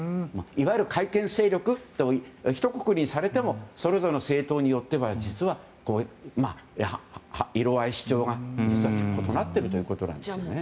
いわゆる改憲勢力とひとくくりにされてもそれぞれの政党によっては実は色合い、主張が実は異なっているということなんですね。